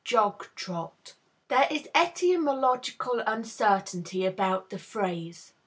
Jog Trot. There is etymological uncertainty about the phrase.